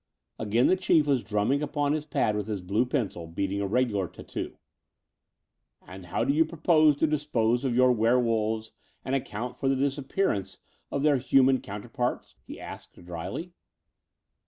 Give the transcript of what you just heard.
Again the Chief was dnunming upon his pad with his blue pencil, beating a regular tattoo. "And how do you promise to dispose of your werewolves and account for the disappearance of their htunan counterparts?" he asked dryly.